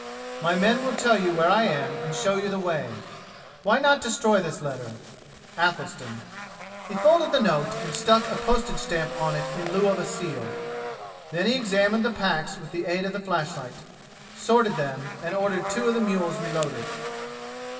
My men will tell you where I am and show you the way. Why not destroy this letter? "Athelstan." He folded the note and stuck a postage stamp on it in lieu of seal. Then he examined the packs with the aid of the flashlight, sorted them and ordered two of the mules reloaded.